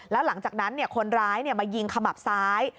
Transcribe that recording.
แล้วหลังจากนั้นเนี่ยคนร้ายเนี่ยมายิงขมับซ้าย